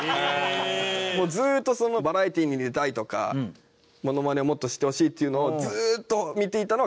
もうずーっとバラエティに出たいとかモノマネをもっと知ってほしいっていうのを。